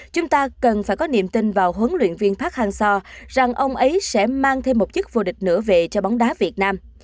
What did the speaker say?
chúng ta cần phải có niềm tin vào huấn luyện viên park hang seo rằng ông ấy sẽ mang thêm một chức vô địch nữa vệ cho bóng đá việt nam